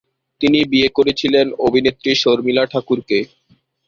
তিনি বিয়ে করেছিলেন অভিনেত্রী শর্মিলা ঠাকুরকে।